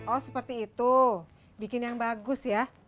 oh seperti itu bikin yang bagus ya